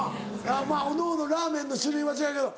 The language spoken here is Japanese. まぁおのおのラーメンの種類は違うやろうけど。